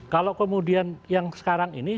kalau kemudian yang sekarang ini